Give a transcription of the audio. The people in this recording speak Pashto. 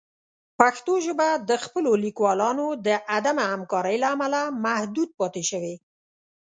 پښتو ژبه د خپلو لیکوالانو د عدم همکارۍ له امله محدود پاتې شوې.